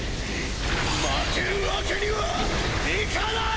負けるわけにはいかない！